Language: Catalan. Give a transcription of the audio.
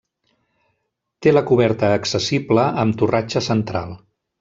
Té la coberta accessible amb torratxa central.